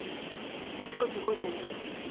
あちこち動いてるみたいです。